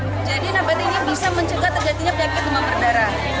jadi nabati ini bisa mencegah terjadinya penyakit demam berdarah